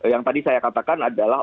yang tadi saya katakan adalah